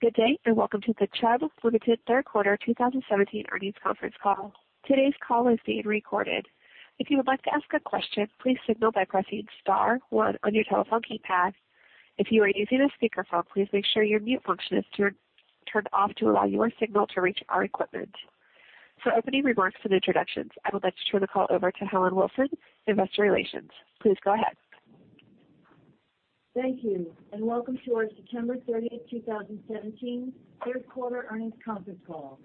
Good day, welcome to the Chubb Limited third quarter 2017 earnings conference call. Today's call is being recorded. If you would like to ask a question, please signal by pressing star one on your telephone keypad. If you are using a speakerphone, please make sure your mute function is turned off to allow your signal to reach our equipment. For opening remarks and introductions, I would like to turn the call over to Helen Wilson, Investor Relations. Please go ahead. Thank you, welcome to our September 30th, 2017 third quarter earnings conference call.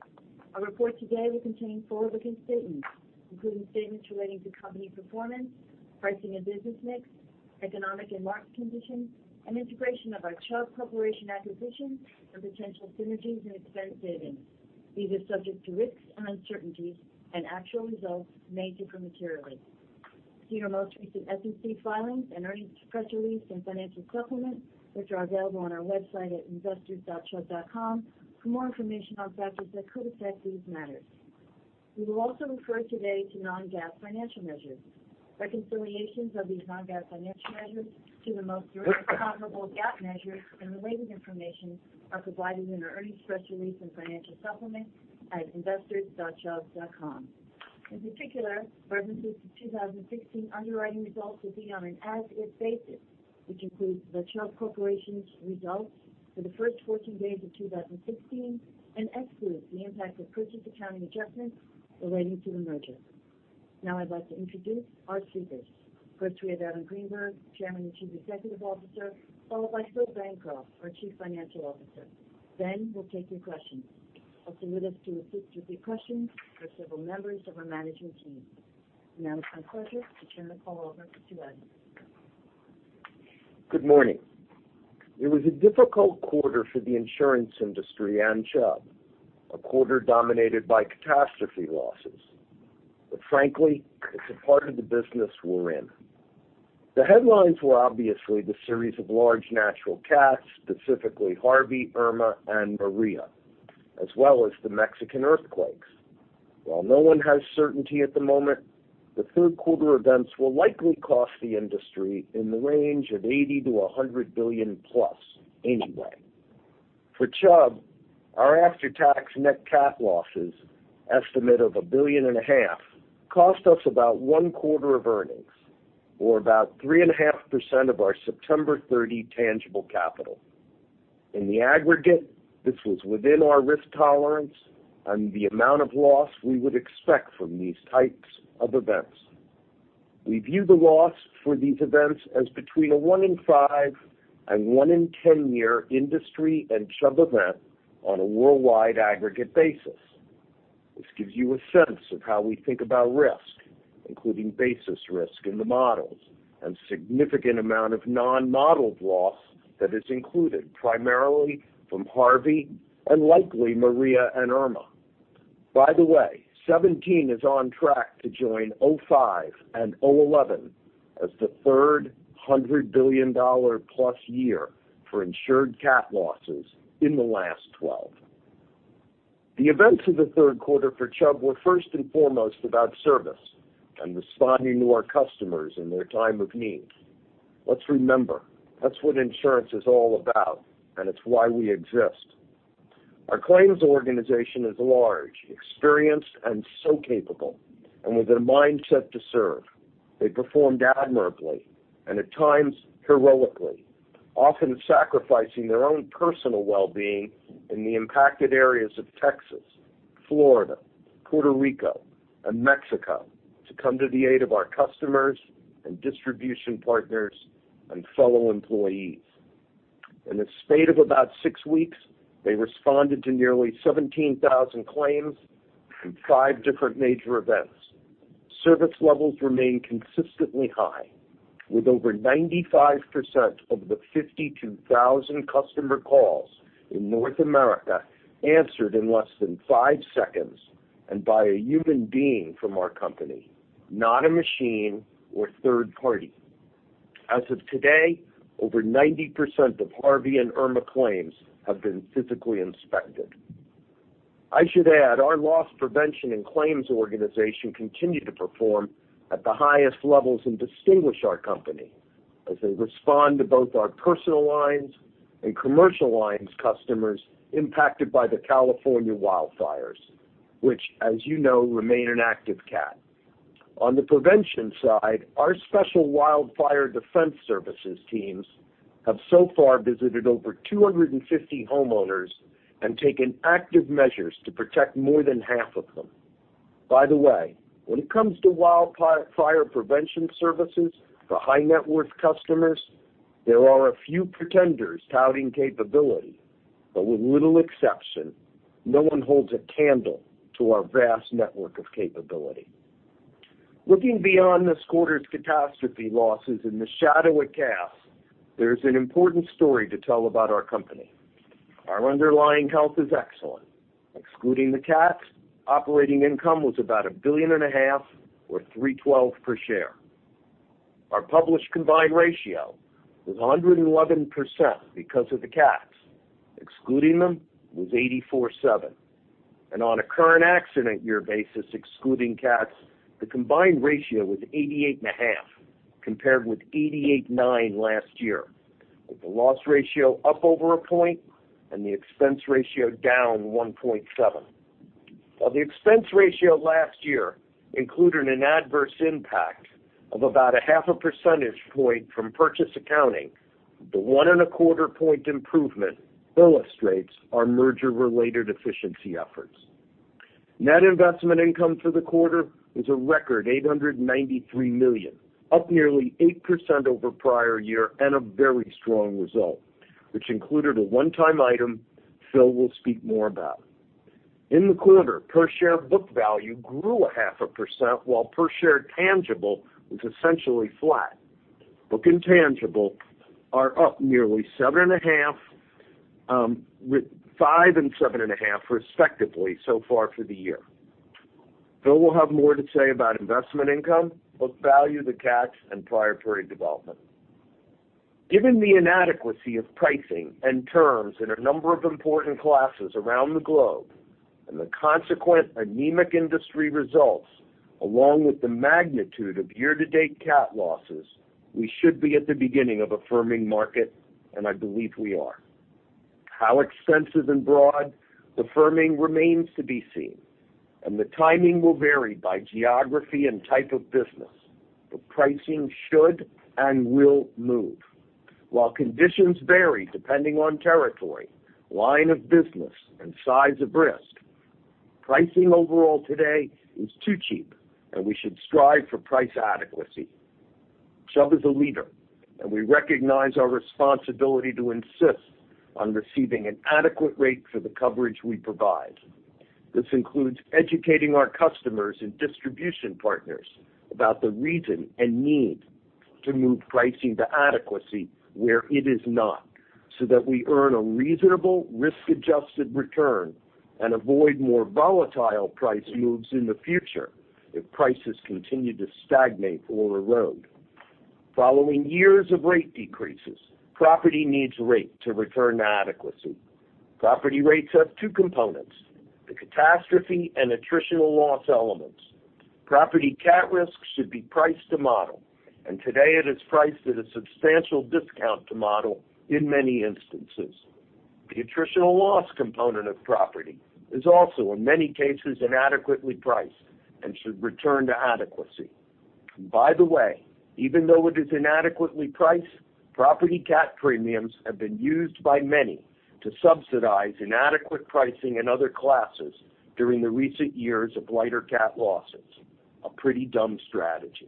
Our report today will contain forward-looking statements, including statements relating to company performance, pricing, business mix, economic and market conditions, integration of our Chubb Corporation acquisition, and potential synergies and expense savings. These are subject to risks and uncertainties, actual results may differ materially. See our most recent SEC filings and earnings press release and financial supplements, which are available on our website at investors.chubb.com for more information on factors that could affect these matters. We will also refer today to non-GAAP financial measures. Reconciliations of these non-GAAP financial measures to the most direct comparable GAAP measures and related information are provided in our earnings press release and financial supplement at investors.chubb.com. In particular, references to 2016 underwriting results will be on an as-if basis, which includes the Chubb Corporation's results for the first 14 days of 2016 and excludes the impact of purchase accounting adjustments relating to the merger. Now I'd like to introduce our speakers. First, we have Evan Greenberg, Chairman and Chief Executive Officer, followed by Phil Bancroft, our Chief Financial Officer. We'll take your questions. I'll submit us to a few strategic questions for several members of our management team. It's my pleasure to turn the call over to Evan. Good morning. It was a difficult quarter for the insurance industry and Chubb, a quarter dominated by catastrophe losses. Frankly, it's a part of the business we're in. The headlines were obviously the series of large natural cats, specifically Harvey, Irma, and Maria, as well as the Mexican earthquakes. While no one has certainty at the moment, the third quarter events will likely cost the industry in the range of $80 billion-$100 billion-plus anyway. For Chubb, our after-tax net cat losses estimate of a billion and a half cost us about one-quarter of earnings or about 3.5% of our September 30 tangible capital. In the aggregate, this was within our risk tolerance and the amount of loss we would expect from these types of events. We view the loss for these events as between a one in 5 and one in 10-year industry and Chubb event on a worldwide aggregate basis. This gives you a sense of how we think about risk, including basis risk in the models, and significant amount of non-modeled loss that is included primarily from Harvey and likely Maria and Irma. By the way, 2017 is on track to join 2005 and 2011 as the third $100 billion-plus year for insured cat losses in the last 12. The events of the third quarter for Chubb were first and foremost about service and responding to our customers in their time of need. Let's remember, that's what insurance is all about, and it's why we exist. Our claims organization is large, experienced, and so capable, and with a mindset to serve. They performed admirably and, at times, heroically, often sacrificing their own personal well-being in the impacted areas of Texas, Florida, Puerto Rico, and Mexico to come to the aid of our customers and distribution partners and fellow employees. In a spate of about six weeks, they responded to nearly 17,000 claims from five different major events. Service levels remain consistently high, with over 95% of the 52,000 customer calls in North America answered in less than five seconds and by a human being from our company, not a machine or third party. As of today, over 90% of Harvey and Irma claims have been physically inspected. I should add, our loss prevention and claims organization continue to perform at the highest levels and distinguish our company as they respond to both our personal lines and commercial lines customers impacted by the California wildfires, which as you know, remain an active cat. On the prevention side, our special wildfire defense services teams have so far visited over 250 homeowners and taken active measures to protect more than half of them. By the way, when it comes to wildfire prevention services for high-net-worth customers, there are a few pretenders touting capability, but with little exception, no one holds a candle to our vast network of capability. Looking beyond this quarter's catastrophe losses in the shadow it casts, there's an important story to tell about our company. Our underlying health is excellent. Excluding the cats, operating income was about a billion and a half or $3.12 per share. Our published combined ratio was 111% because of the cats. Excluding them, it was 84.7%. On a current accident year basis, excluding cats, the combined ratio was 88.5%, compared with 88.9% last year, with the loss ratio up over a point and the expense ratio down 1.7%. While the expense ratio last year included an adverse impact of about a half a percentage point from purchase accounting, the one and a quarter point improvement illustrates our merger-related efficiency efforts. Net investment income for the quarter was a record $893 million, up nearly 8% over prior year, and a very strong result, which included a one-time item Phil will speak more about. In the quarter, per share book value grew a half a percent, while per share tangible was essentially flat. Book and tangible are up nearly 5% and 7.5%, respectively, so far for the year. Phil will have more to say about investment income, book value, the CATs, and prior period development. Given the inadequacy of pricing and terms in a number of important classes around the globe and the consequent anemic industry results, along with the magnitude of year-to-date CAT losses, we should be at the beginning of a firming market, and I believe we are. How extensive and broad the firming remains to be seen, and the timing will vary by geography and type of business, but pricing should and will move. While conditions vary depending on territory, line of business, and size of risk, pricing overall today is too cheap, and we should strive for price adequacy. Chubb is a leader, and we recognize our responsibility to insist on receiving an adequate rate for the coverage we provide. This includes educating our customers and distribution partners about the reason and need to move pricing to adequacy where it is not, so that we earn a reasonable risk-adjusted return and avoid more volatile price moves in the future if prices continue to stagnate or erode. Following years of rate decreases, property needs rate to return to adequacy. Property rates have two components, the catastrophe and attritional loss elements. Property CAT risk should be priced to model, and today it is priced at a substantial discount to model in many instances. The attritional loss component of property is also, in many cases, inadequately priced and should return to adequacy. By the way, even though it is inadequately priced, property CAT premiums have been used by many to subsidize inadequate pricing in other classes during the recent years of lighter CAT losses. A pretty dumb strategy.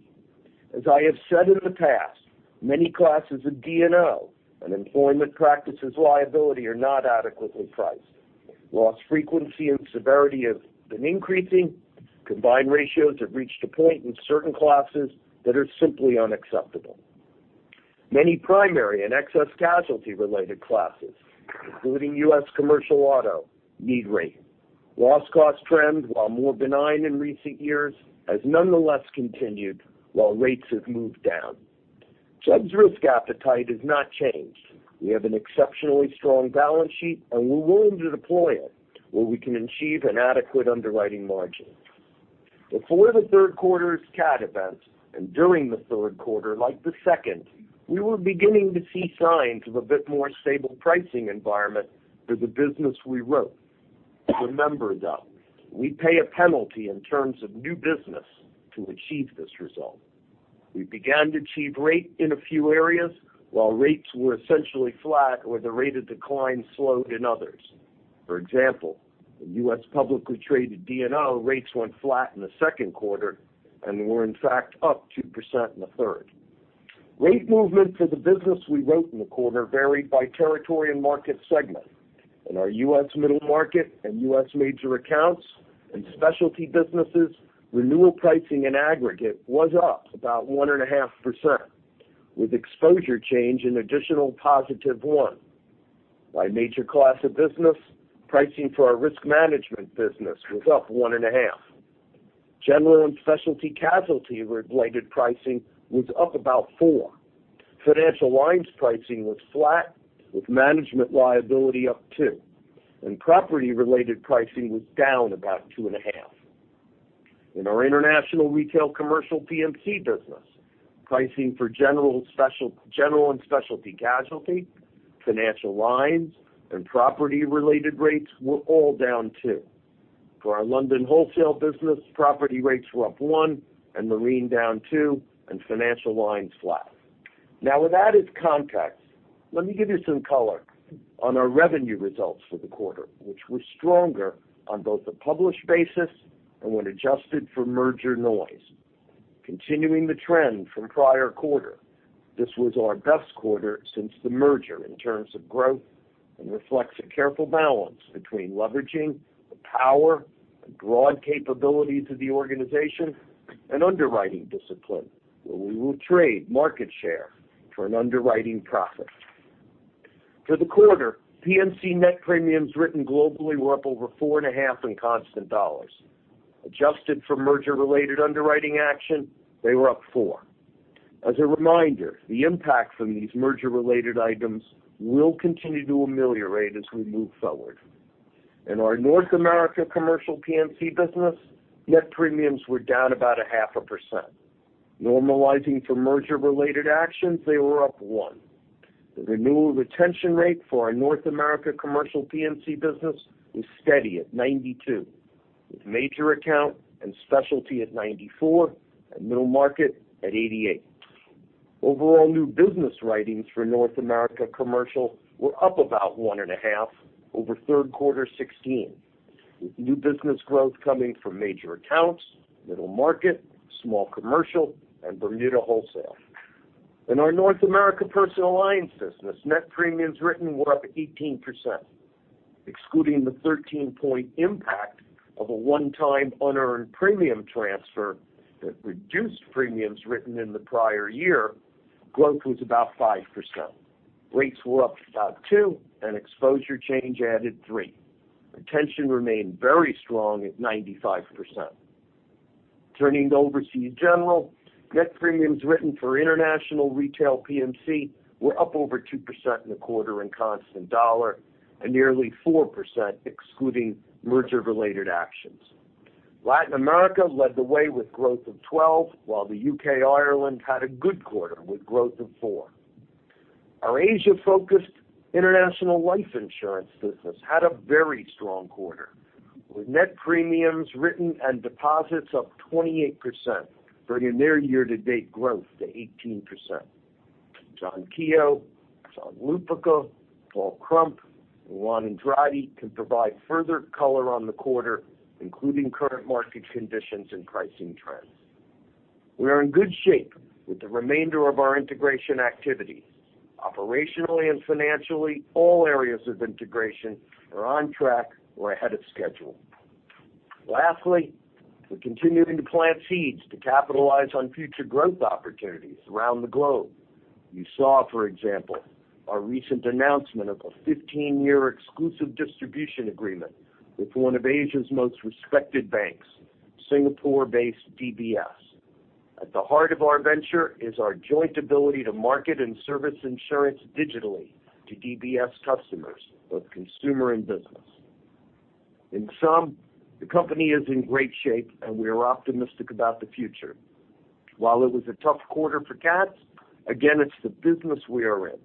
As I have said in the past, many classes of D&O and employment practices liability are not adequately priced. Loss frequency and severity have been increasing. Combined ratios have reached a point in certain classes that are simply unacceptable. Many primary and excess casualty related classes, including U.S. commercial auto, need rate. Loss cost trends, while more benign in recent years, has nonetheless continued while rates have moved down. Chubb's risk appetite has not changed. We have an exceptionally strong balance sheet, and we're willing to deploy it where we can achieve an adequate underwriting margin. Before the third quarter's CAT events and during the third quarter, like the second, we were beginning to see signs of a bit more stable pricing environment for the business we wrote. Remember, though, we pay a penalty in terms of new business to achieve this result. We began to achieve rate in a few areas, while rates were essentially flat or the rate of decline slowed in others. For example, in U.S. publicly traded D&O, rates went flat in the second quarter and were, in fact, up 2% in the third. Rate movement for the business we wrote in the quarter varied by territory and market segment. In our U.S. middle market and U.S. major accounts and specialty businesses, renewal pricing in aggregate was up about 1.5%, with exposure change an additional positive 1%. By major class of business, pricing for our risk management business was up 1.5%. General and specialty casualty related pricing was up about 4%. Financial lines pricing was flat, with management liability up 2%, and property related pricing was down about 2.5%. In our international retail commercial P&C business, pricing for general and specialty casualty, financial lines, and property related rates were all down 2%. For our London wholesale business, property rates were up 1% and marine down 2%, and financial lines flat. Now, with added context, let me give you some color on our revenue results for the quarter, which were stronger on both a published basis and when adjusted for merger noise. Continuing the trend from prior quarter, this was our best quarter since the merger in terms of growth and reflects a careful balance between leveraging the power and broad capabilities of the organization and underwriting discipline, where we will trade market share for an underwriting profit. For the quarter, P&C net premiums written globally were up over 4.5% in constant dollars. Adjusted for merger-related underwriting action, they were up 4%. As a reminder, the impact from these merger-related items will continue to ameliorate as we move forward. In our North America Commercial P&C business, net premiums were down about a half a percent. Normalizing for merger-related actions, they were up 1%. The renewal retention rate for our North America Commercial P&C business was steady at 92%, with major account and specialty at 94% and middle market at 88%. Overall new business writings for North America Commercial were up about 1.5% over third quarter 2016, with new business growth coming from major accounts, middle market, small commercial, and Bermuda wholesale. In our North America Personal Lines business, net premiums written were up 18%. Excluding the 13-point impact of a one-time unearned premium transfer that reduced premiums written in the prior year, growth was about 5%. Rates were up about 2% and exposure change added 3%. Retention remained very strong at 95%. Turning to Overseas General, net premiums written for International Retail P&C were up over 2% in the quarter in constant dollar and nearly 4% excluding merger-related actions. Latin America led the way with growth of 12%, while the U.K., Ireland had a good quarter with growth of 4%. Our Asia-focused international life insurance business had a very strong quarter, with net premiums written and deposits up 28%, bringing their year-to-date growth to 18%. John Keogh, John Lupica, Paul Krump, and Juan Andrade can provide further color on the quarter, including current market conditions and pricing trends. We are in good shape with the remainder of our integration activity. Operationally and financially, all areas of integration are on track or ahead of schedule. Lastly, we're continuing to plant seeds to capitalize on future growth opportunities around the globe. You saw, for example, our recent announcement of a 15-year exclusive distribution agreement with one of Asia's most respected banks, Singapore-based DBS. At the heart of our venture is our joint ability to market and service insurance digitally to DBS customers, both consumer and business. In sum, the company is in great shape and we are optimistic about the future. While it was a tough quarter for cats, again, it's the business we are in.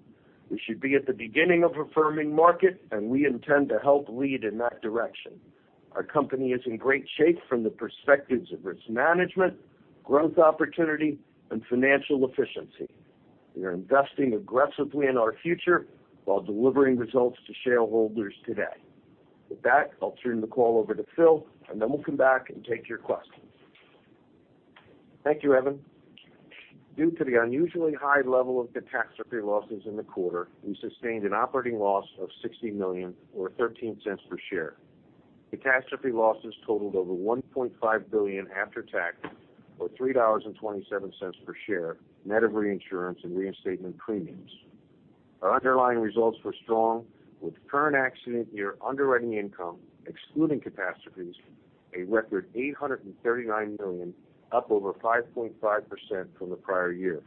We should be at the beginning of a firming market, and we intend to help lead in that direction. Our company is in great shape from the perspectives of risk management, growth opportunity, and financial efficiency. We are investing aggressively in our future while delivering results to shareholders today. With that, I'll turn the call over to Phil, and then we'll come back and take your questions. Thank you, Evan. Due to the unusually high level of catastrophe losses in the quarter, we sustained an operating loss of $60 million, or $0.13 per share. Catastrophe losses totaled over $1.5 billion after tax, or $3.27 per share, net of reinsurance and reinstatement premiums. Our underlying results were strong, with current accident year underwriting income excluding catastrophes, a record $839 million, up over 5.5% from the prior year.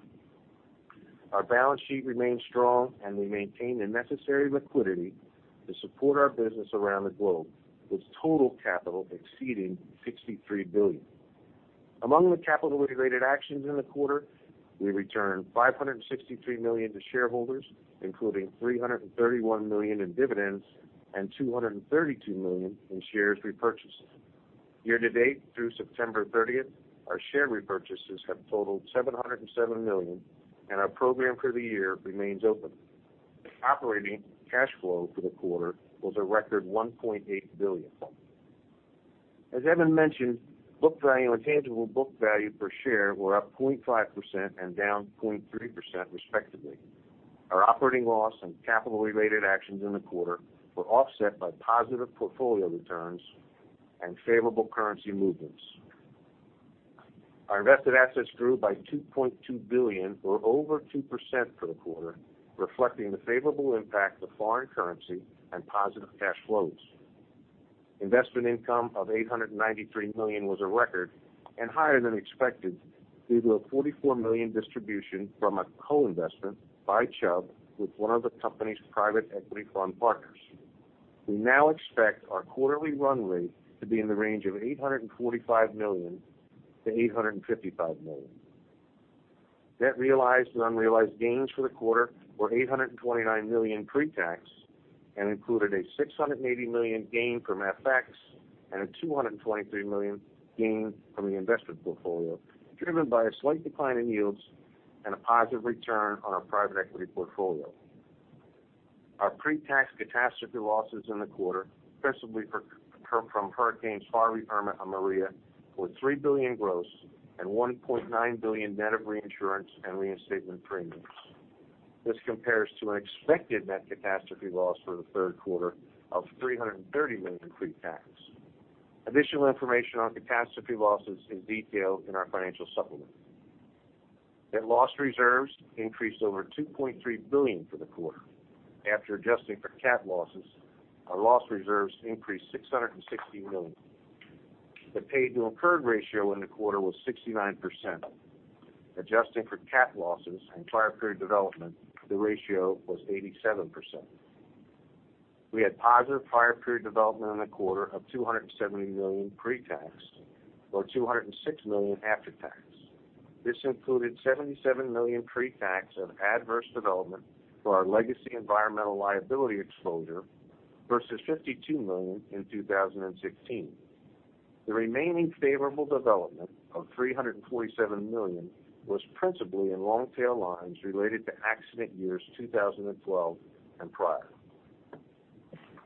We maintain the necessary liquidity to support our business around the globe, with total capital exceeding $63 billion. Among the capital-related actions in the quarter, we returned $563 million to shareholders, including $331 million in dividends and $232 million in shares repurchases. Year to date through September 30th, our share repurchases have totaled $707 million, and our program for the year remains open. Operating cash flow for the quarter was a record $1.8 billion. As Evan mentioned, book value and tangible book value per share were up 0.5% and down 0.3% respectively. Our operating loss and capital-related actions in the quarter were offset by positive portfolio returns and favorable currency movements. Our invested assets grew by $2.2 billion or over 2% for the quarter, reflecting the favorable impact of foreign currency and positive cash flows. Investment income of $893 million was a record and higher than expected due to a $44 million distribution from a co-investment by Chubb with one of the company's private equity fund partners. We now expect our quarterly run rate to be in the range of $845 million to $855 million. Net realized and unrealized gains for the quarter were $829 million pre-tax and included a $680 million gain from FX and a $223 million gain from the investment portfolio, driven by a slight decline in yields and a positive return on our private equity portfolio. Our pre-tax catastrophe losses in the quarter, principally from hurricanes Harvey, Irma, and Maria, were $3 billion gross and $1.9 billion net of reinsurance and reinstatement premiums. This compares to an expected net catastrophe loss for the third quarter of $330 million pre-tax. Additional information on catastrophe losses is detailed in our financial supplement. Net loss reserves increased over $2.3 billion for the quarter. After adjusting for cat losses, our loss reserves increased $616 million. The paid to incurred ratio in the quarter was 69%. Adjusting for cat losses and prior period development, the ratio was 87%. We had positive prior period development in the quarter of $270 million pre-tax, or $206 million after tax. This included $77 million pre-tax of adverse development for our legacy environmental liability exposure versus $52 million in 2016. The remaining favorable development of $347 million was principally in long-tail lines related to accident years 2012 and prior.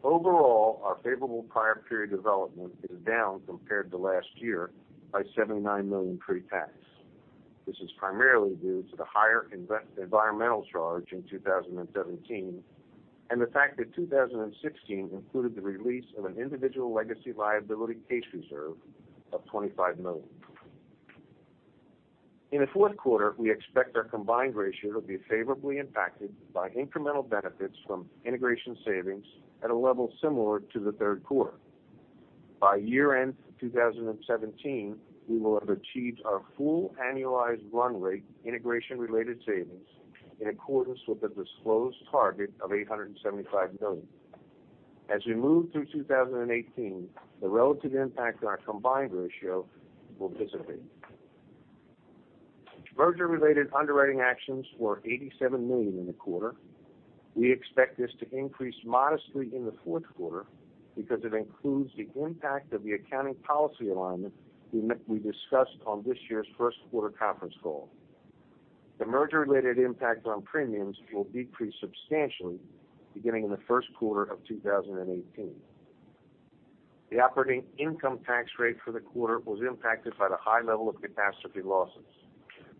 Overall, our favorable prior period development is down compared to last year by $79 million pre-tax. This is primarily due to the higher environmental charge in 2017 and the fact that 2016 included the release of an individual legacy liability case reserve of $25 million. In the fourth quarter, we expect our combined ratio to be favorably impacted by incremental benefits from integration savings at a level similar to the third quarter. By year-end 2017, we will have achieved our full annualized run rate integration-related savings in accordance with the disclosed target of $875 million. As we move through 2018, the relative impact on our combined ratio will dissipate. Merger-related underwriting actions were $87 million in the quarter. We expect this to increase modestly in the fourth quarter because it includes the impact of the accounting policy alignment we discussed on this year's first quarter conference call. The merger-related impact on premiums will decrease substantially beginning in the first quarter of 2018. The operating income tax rate for the quarter was impacted by the high level of catastrophe losses.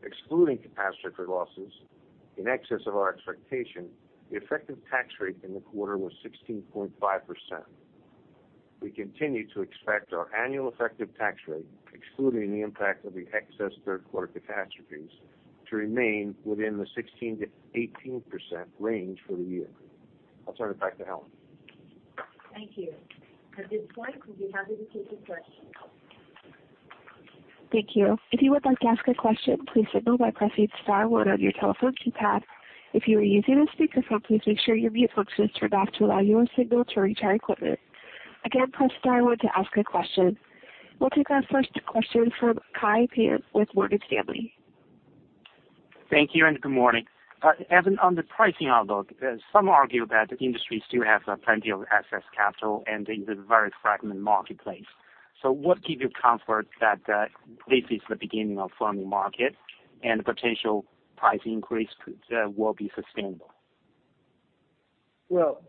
Excluding catastrophe losses in excess of our expectation, the effective tax rate in the quarter was 16.5%. We continue to expect our annual effective tax rate, excluding the impact of the excess third quarter catastrophes, to remain within the 16%-18% range for the year. I'll turn it back to Helen. Thank you. At this point, we'll be happy to take some questions. Thank you. If you would like to ask a question, please signal by pressing star one on your telephone keypad. If you are using a speakerphone, please make sure your mute function is turned off to allow your signal to reach our equipment. Again, press star one to ask a question. We'll take our first question from Kai Pan with Morgan Stanley. Thank you, and good morning. Evan, on the pricing outlook, some argue that the industry still has plenty of excess capital and is a very fragmented marketplace. What gives you comfort that this is the beginning of a firming market and the potential price increase will be sustainable? Well,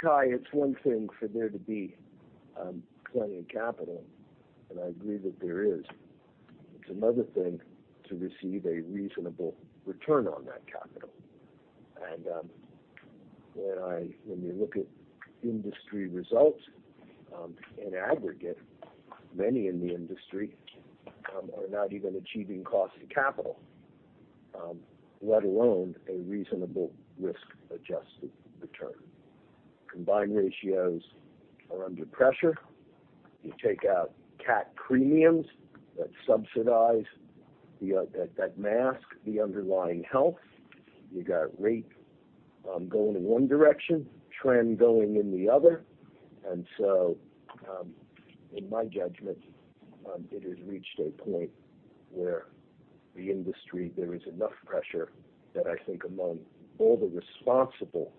Kai, it's one thing for there to be plenty of capital, and I agree that there is. It's another thing to receive a reasonable return on that capital. When you look at industry results in aggregate, many in the industry are not even achieving cost of capital, let alone a reasonable risk-adjusted return. Combined ratios are under pressure. You take out cat premiums that mask the underlying health. You've got rate going in one direction, trend going in the other, in my judgment, it has reached a point where the industry, there is enough pressure that I think among all the responsible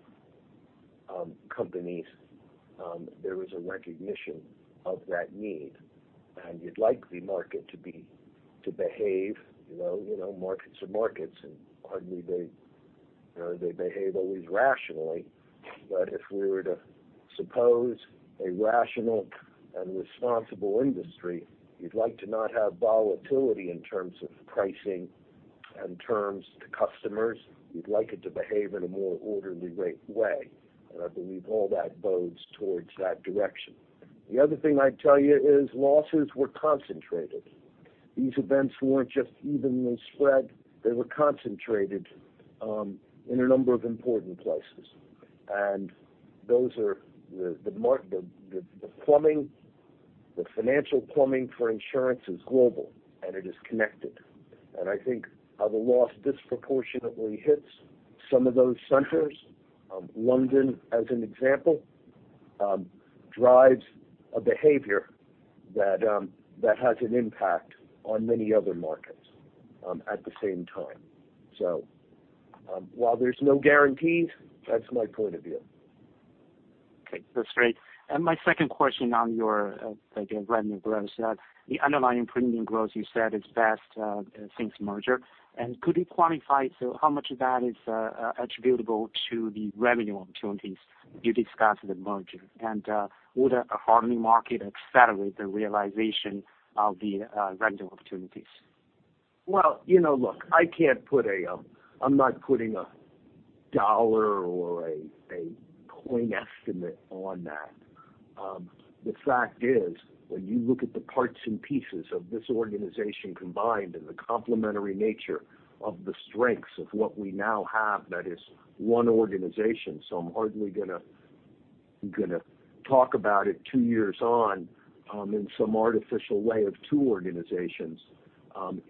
companies, there is a recognition of that need, and you'd like the market to behave. Markets are markets, hardly they behave always rationally. If we were to suppose a rational and responsible industry, you'd like to not have volatility in terms of pricing and terms to customers. You'd like it to behave in a more orderly way. I believe all that bodes towards that direction. The other thing I'd tell you is losses were concentrated. These events weren't just evenly spread. They were concentrated in a number of important places, and the financial plumbing for insurance is global, and it is connected. I think how the loss disproportionately hits some of those centers, London as an example, drives a behavior that has an impact on many other markets at the same time. While there's no guarantees, that's my point of view. Okay, that's great. My second question on your revenue growth. The underlying premium growth, you said, is best since merger, could you quantify how much of that is attributable to the revenue opportunities you discussed at the merger? Would a hardening market accelerate the realization of the revenue opportunities? Well, look, I'm not putting a dollar or a coin estimate on that. The fact is, when you look at the parts and pieces of this organization combined and the complementary nature of the strengths of what we now have, that is one organization, so I'm hardly going to. I'm going to talk about it two years on, in some artificial way of two organizations.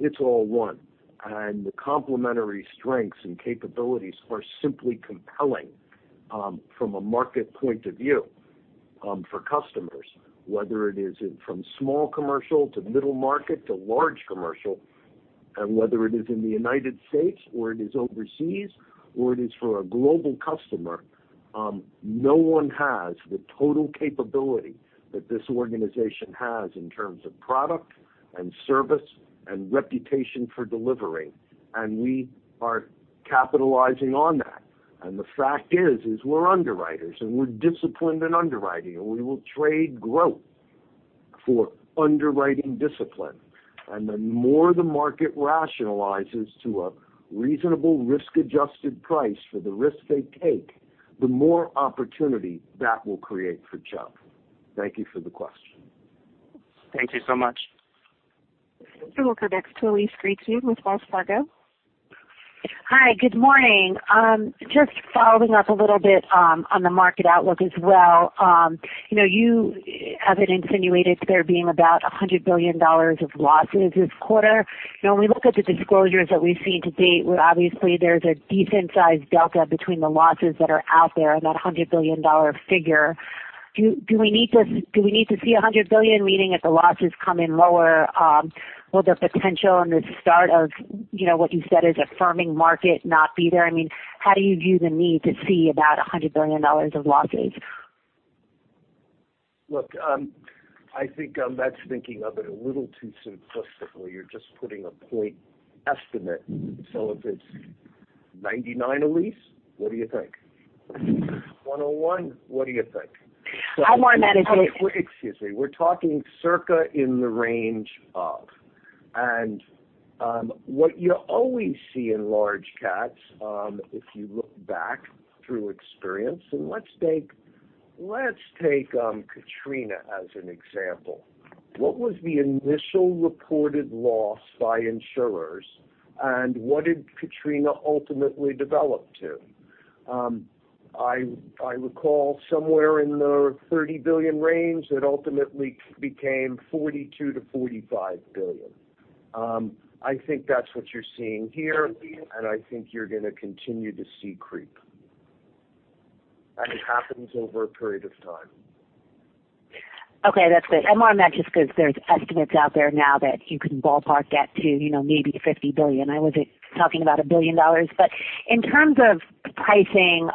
It's all one, and the complementary strengths and capabilities are simply compelling from a market point of view for customers, whether it is from small commercial to middle market to large commercial, and whether it is in the United States or it is overseas or it is for a global customer. No one has the total capability that this organization has in terms of product and service and reputation for delivering. We are capitalizing on that. The fact is, we're underwriters, and we're disciplined in underwriting, and we will trade growth for underwriting discipline. The more the market rationalizes to a reasonable risk-adjusted price for the risk they take, the more opportunity that will create for Chubb. Thank you for the question. Thank you so much. We will go next to Elyse Greenspan with Wells Fargo. Hi, good morning. Just following up a little bit on the market outlook as well. You have it insinuated there being about $100 billion of losses this quarter. When we look at the disclosures that we've seen to date, where obviously there's a decent-sized delta between the losses that are out there and that $100 billion figure, do we need to see $100 billion, meaning if the losses come in lower, will the potential and the start of what you said is a firming market not be there? How do you view the need to see about $100 billion of losses? Look, I think that's thinking of it a little too simplistically. You're just putting a point estimate. If it's 99, Elyse, what do you think? 101, what do you think? How am I managing- Excuse me. We're talking circa in the range of. What you always see in large cats, if you look back through experience, let's take Hurricane Katrina as an example. What was the initial reported loss by insurers, what did Hurricane Katrina ultimately develop to? I recall somewhere in the $30 billion range, it ultimately became $42 billion-$45 billion. I think that's what you're seeing here, I think you're going to continue to see creep. It happens over a period of time. Okay, that's good. More on that, just because there are estimates out there now that you can ballpark that to maybe $50 billion. I wasn't talking about $1 billion. In terms of pricing,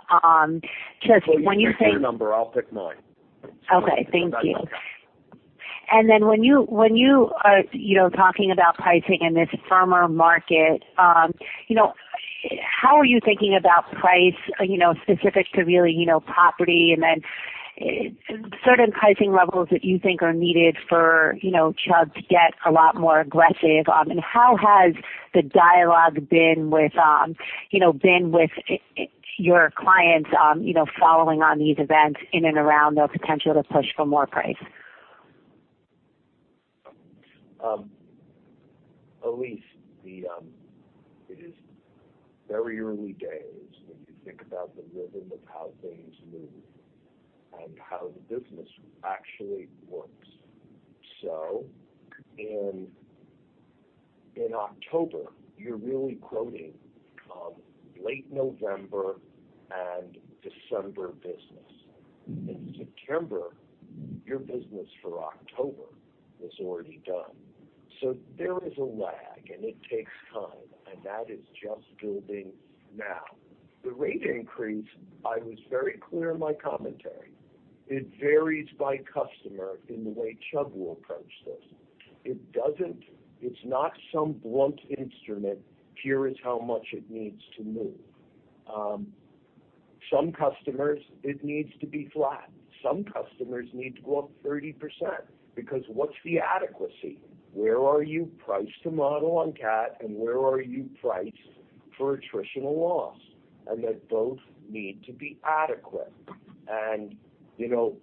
just when you think- You pick your number, I'll pick mine. Okay, thank you. Then when you are talking about pricing in this firmer market, how are you thinking about price, specific to really property and then certain pricing levels that you think are needed for Chubb to get a lot more aggressive? How has the dialogue been with your clients, following on these events in and around the potential to push for more price? Elyse, it is very early days when you think about the rhythm of how things move and how the business actually works. In October, you're really quoting late November and December business. In September, your business for October was already done. There is a lag, and it takes time, and that is just building now. The rate increase, I was very clear in my commentary. It varies by customer in the way Chubb will approach this. It's not some blunt instrument, here is how much it needs to move. Some customers, it needs to be flat. Some customers need to go up 30%, because what's the adequacy? Where are you priced to model on CAT and where are you priced for attritional loss? That both need to be adequate.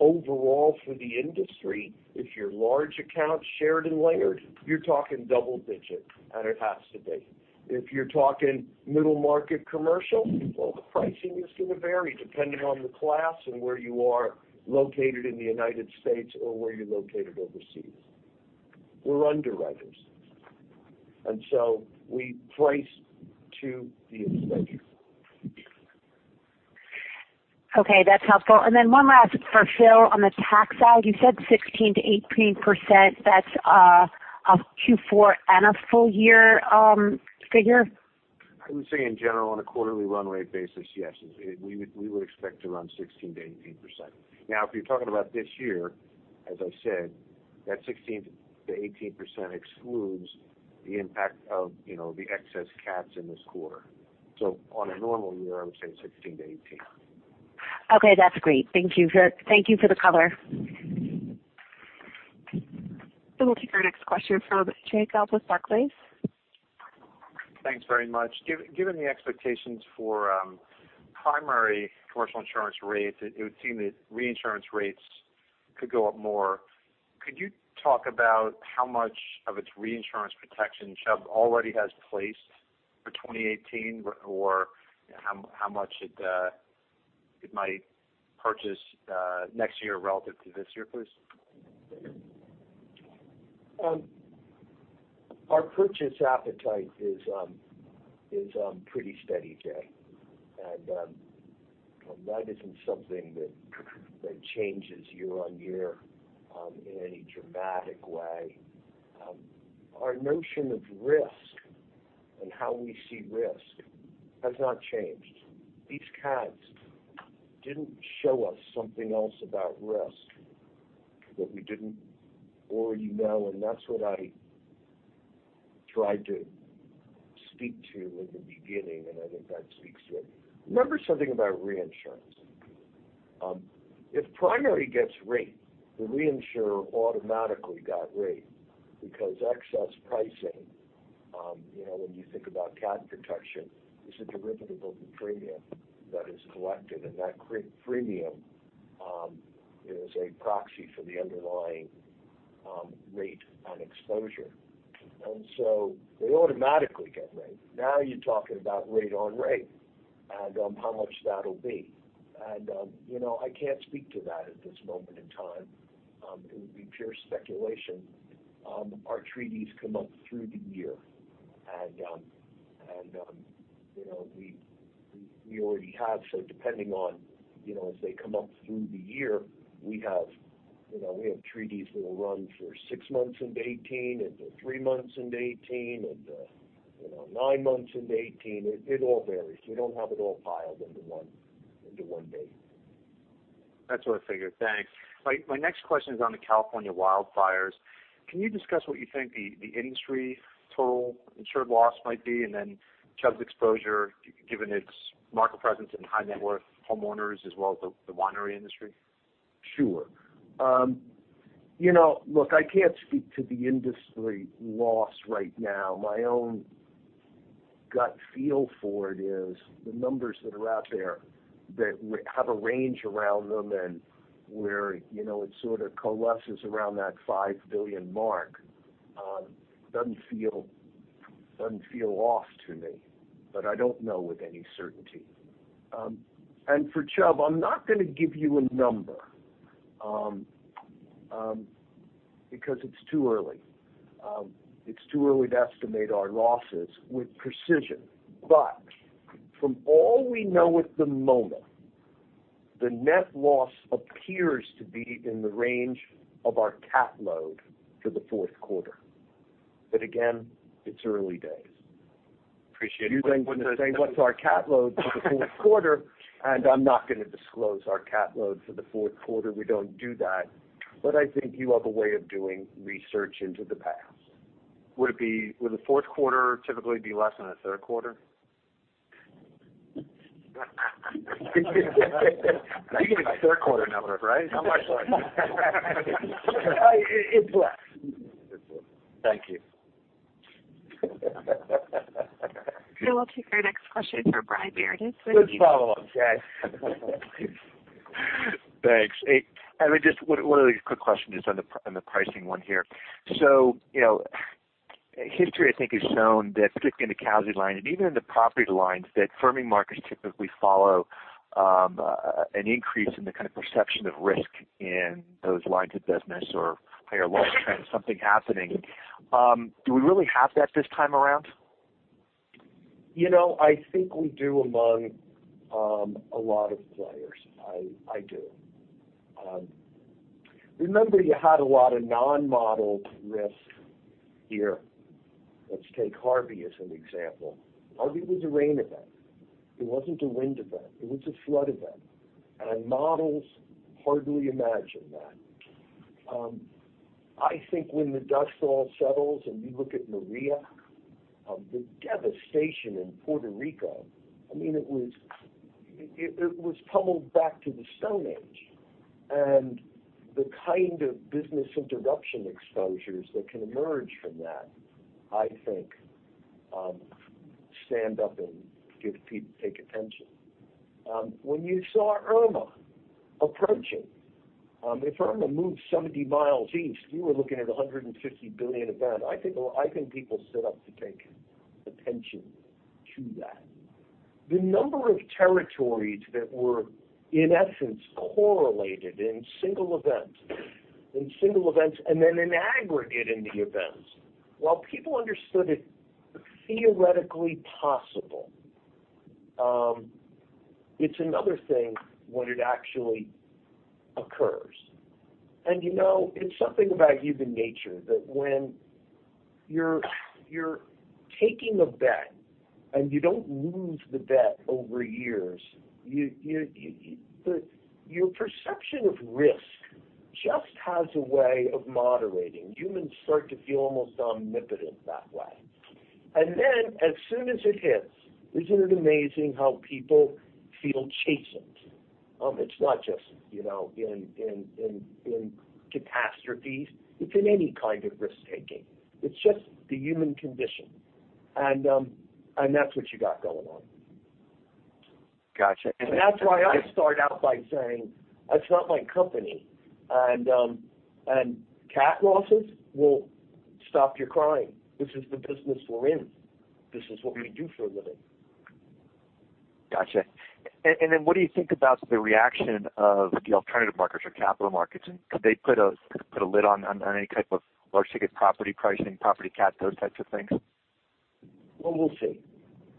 Overall for the industry, if you're large account shared and layered, you're talking double digit, and it has to be. If you're talking middle market commercial, well, the pricing is going to vary depending on the class and where you are located in the U.S. or where you're located overseas. We're underwriters, and so we price to the exposure. Okay, that's helpful. Then one last for Phil on the tax out. You said 16%-18%, that's a Q4 and a full year figure? I would say in general, on a quarterly run rate basis, yes, we would expect to run 16%-18%. Now, if you're talking about this year, as I said, that 16%-18% excludes the impact of the excess cats in this quarter. On a normal year, I would say 16%-18%. Okay, that's great. Thank you for the color. We'll take our next question from Jay Gelb with Barclays. Thanks very much. Given the expectations for primary commercial insurance rates, it would seem that reinsurance rates Could go up more. Could you talk about how much of its reinsurance protection Chubb already has placed for 2018 or how much it might purchase next year relative to this year, please? Our purchase appetite is pretty steady, Jay. That isn't something that changes year on year in any dramatic way. Our notion of risk and how we see risk has not changed. These cats didn't show us something else about risk that we didn't already know, and that's what I tried to speak to in the beginning, and I think that speaks to it. Remember something about reinsurance. If primary gets rate, the reinsurer automatically got rate because excess pricing, when you think about cat protection, is a derivative of the premium that is collected, and that premium is a proxy for the underlying rate on exposure. They automatically get rate. Now you're talking about rate on rate and how much that'll be. I can't speak to that at this moment in time. It would be pure speculation. Our treaties come up through the year, and we already have, so depending on as they come up through the year, we have treaties that'll run for six months into 2018, into three months into 2018, into nine months into 2018. It all varies. We don't have it all piled into one date. That's what I figured. Thanks. My next question is on the California wildfires. Can you discuss what you think the industry total insured loss might be, and then Chubb's exposure, given its market presence in high net worth homeowners as well as the winery industry? Sure. Look, I can't speak to the industry loss right now. My own gut feel for it is the numbers that are out there that have a range around them and where it sort of coalesces around that $5 billion mark, doesn't feel off to me, but I don't know with any certainty. For Chubb, I'm not going to give you a number because it's too early. It's too early to estimate our losses with precision. From all we know at the moment, the net loss appears to be in the range of our cat load for the fourth quarter. Again, it's early days. Appreciate it. You would say, what's our cat load for the fourth quarter? I'm not going to disclose our cat load for the fourth quarter. We don't do that. I think you have a way of doing research into the past. Would the fourth quarter typically be less than a third quarter? You gave me a third quarter number, right? How much less? It's less. Thank you. We'll take our next question from Brian Meredith at UBS. Good follow up, Jay. Thanks. Just one of these quick questions on the pricing one here. History, I think, has shown that particularly in the casualty line and even in the property lines, that firming markets typically follow an increase in the kind of perception of risk in those lines of business or higher loss trends, something happening. Do we really have that this time around? I think we do among a lot of players. I do. Remember you had a lot of non-modeled risk here. Let's take Harvey as an example. Harvey was a rain event. It wasn't a wind event. It was a flood event. Models hardly imagine that. I think when the dust all settles and you look at Maria, the devastation in Puerto Rico, it was tumbled back to the Stone Age. The kind of business interruption exposures that can emerge from that, I think, stand up and get people to take attention. When you saw Irma approaching, if Irma moved 70 miles east, you were looking at 150 billion event. I think people sit up to take attention to that. The number of territories that were, in essence, correlated in single events, then in aggregate in the events, while people understood it theoretically possible, it's another thing when it actually occurs. It's something about human nature that when you're taking a bet and you don't lose the bet over years, your perception of risk just has a way of moderating. Humans start to feel almost omnipotent that way. As soon as it hits, isn't it amazing how people feel chastened? It's not just in catastrophes, it's in any kind of risk-taking. It's just the human condition. That's what you got going on. Gotcha. That's why I start out by saying, that's not my company. Cat losses will stop your crying. This is the business we're in. This is what we do for a living. Gotcha. What do you think about the reaction of the alternative markets or capital markets? Could they put a lid on any type of large ticket property pricing, property cat, those types of things? Well, we'll see.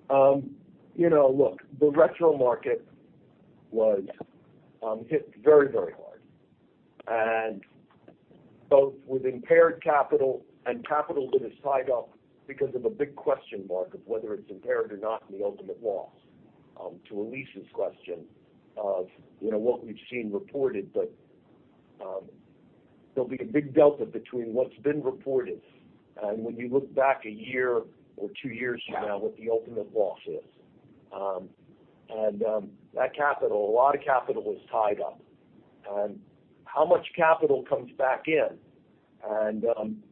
Look, the retro market was hit very, very hard. Both with impaired capital and capital that is tied up because of a big question mark of whether it's impaired or not in the ultimate loss. To Elyse's question of what we've seen reported, there'll be a big delta between what's been reported and when you look back a year or two years from now, what the ultimate loss is. That capital, a lot of capital is tied up. How much capital comes back in, and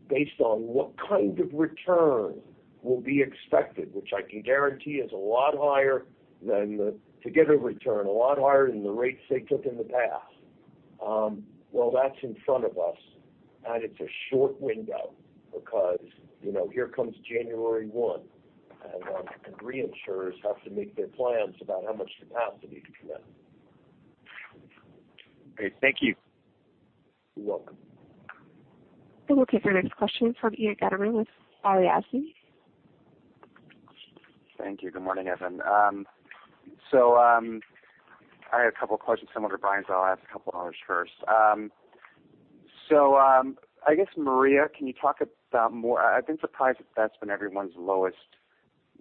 based on what kind of return will be expected, which I can guarantee is a lot higher than the, to get a return, a lot higher than the rates they took in the past. Well, that's in front of us, and it's a short window because here comes January 1, and reinsurers have to make their plans about how much capacity to commit. Great. Thank you. You're welcome. We'll take our next question from Ian Gutterman with Balyasny Asset Management. Thank you. Good morning, Evan. I had a couple questions similar to Brian's, I'll ask a couple of others first. I guess, Maria, can you talk about I've been surprised that that's been everyone's lowest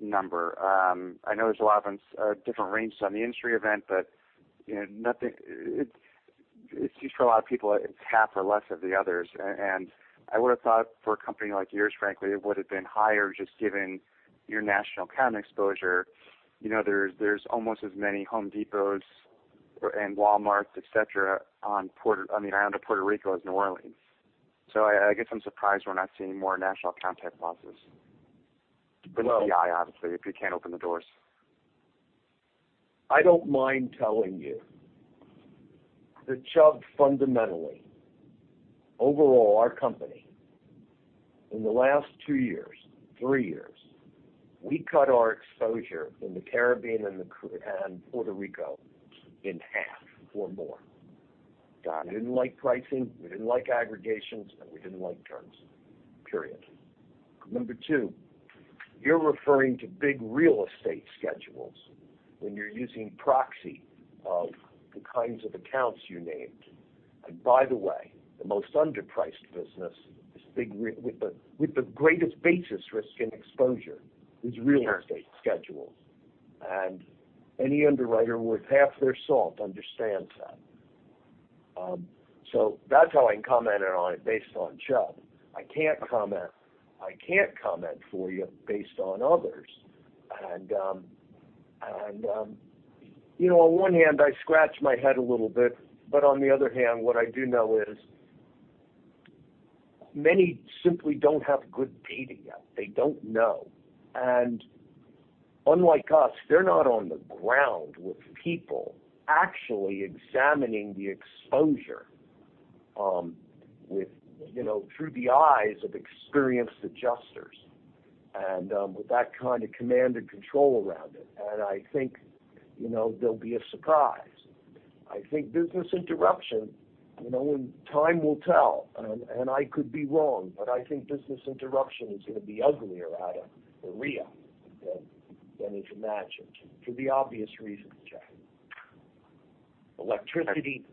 number. I know there's a lot of different ranges on the industry event, but it seems for a lot of people, it's half or less of the others. I would've thought for a company like yours, frankly, it would've been higher just given your national account exposure. There's almost as many Home Depots and Walmarts, et cetera, on the island of Puerto Rico as New Orleans. I guess I'm surprised we're not seeing more national account-type losses. It's BI, obviously, if you can't open the doors. I don't mind telling you that Chubb, fundamentally, overall, our company, in the last 2 years, 3 years, we cut our exposure in the Caribbean and Puerto Rico in half or more. We didn't like pricing, we didn't like aggregations, and we didn't like terms, period. Number 2, you're referring to big real estate schedules when you're using proxy of the kinds of accounts you named. By the way, the most underpriced business with the greatest basis risk and exposure is real estate schedules. Any underwriter worth half their salt understands that. That's how I can comment on it based on Chubb. I can't comment for you based on others. On one hand, I scratch my head a little bit, on the other hand, what I do know is many simply don't have good data yet. They don't know. Unlike us, they're not on the ground with people actually examining the exposure through the eyes of experienced adjusters, and with that kind of command and control around it. I think there'll be a surprise. Time will tell, I could be wrong, I think business interruption is going to be uglier out of Maria than is imagined, for the obvious reasons, Ian. Electricity,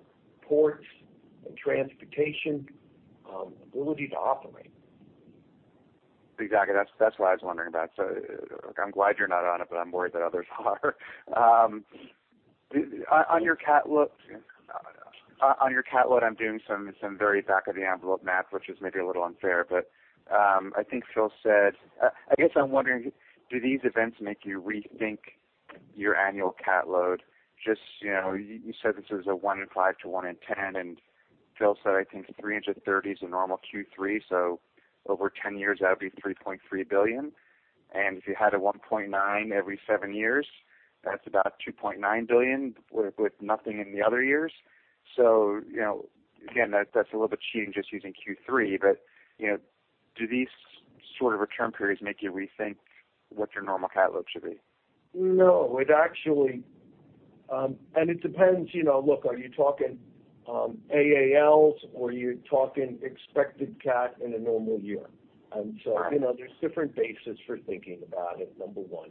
ports, and transportation, ability to operate. Exactly. That's what I was wondering about. I'm glad you're not on it, I'm worried that others are. On your cat load, I'm doing some very back of the envelope math, which is maybe a little unfair. I guess I'm wondering, do these events make you rethink your annual cat load? You said this is a one in 5 to one in 10, Phil said, I think $330 is a normal Q3, over 10 years, that would be $3.3 billion. If you had a $1.9 every seven years, that's about $2.9 billion with nothing in the other years. Again, that's a little bit cheating just using Q3, do these sort of return periods make you rethink what your normal cat load should be? No. It depends, look, are you talking AALs or you're talking expected cat in a normal year? There's different basis for thinking about it, number one.